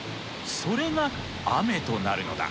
それが雨となるのだ。